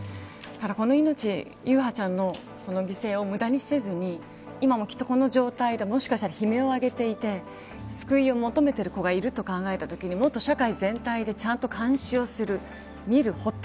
この命優陽ちゃんのこの犠牲を無駄にせずに今も、きっとこの状態で悲鳴をあげて救いを求めている子がいると考えたときにもっと社会全体でちゃんと監視をする。